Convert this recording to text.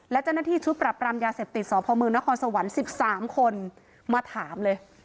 และเจ้าหน้าที่ชุดปรับรามยาเสพติดสพมนครสวรรค์๑๓คนมาถามเลย